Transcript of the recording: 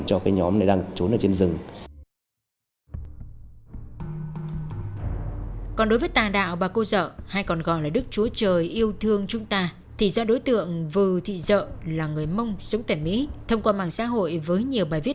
cho cái nhóm này đang trốn ở trên đất